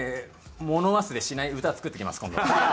物忘れしない歌作ってきます今度。